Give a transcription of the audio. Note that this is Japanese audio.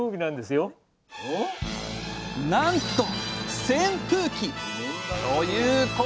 なんと扇風機